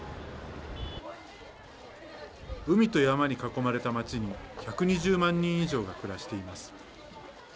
海と山に囲まれた街に１２０万人以上が暮らしています。